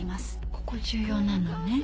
ここ重要なのね？